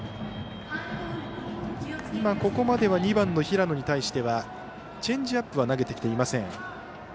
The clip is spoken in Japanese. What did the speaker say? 今、ここまでは２番の平野に対してはチェンジアップは投げてきていません。